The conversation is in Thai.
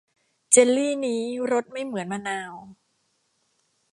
เจลลี่นี้รสไม่เหมือนมะนาว